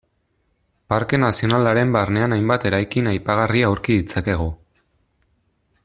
Parke Nazionalaren barnean hainbat eraikin aipagarri aurki ditzakegu.